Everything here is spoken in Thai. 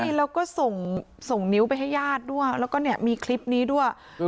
ใช่แล้วก็ส่งนิ้วไปให้ญาติด้วยแล้วก็เนี่ยมีคลิปนี้ด้วย